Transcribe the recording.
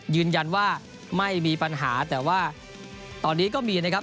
ยืนยันว่าไม่มีปัญหาแต่ว่าตอนนี้ก็มีนะครับ